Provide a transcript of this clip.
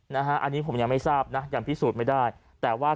นะฮะอันนี้ผมยังไม่ทราบนะยังพิสูจน์ไม่ได้แต่ว่า